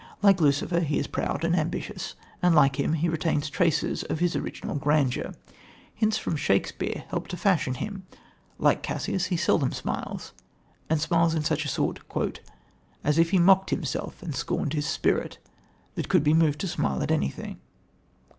Like Lucifer, he is proud and ambitious, and like him he retains traces of his original grandeur. Hints from Shakespeare helped to fashion him. Like Cassius, seldom he smiles, and smiles in such a sort "As if he mock'd himself and scorn'd his spirit That could be moved to smile at anything."